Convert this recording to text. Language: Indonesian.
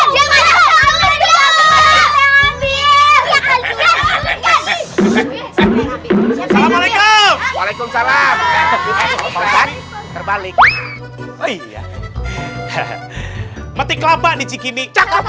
jangan lupa like share dan subscribe channel ini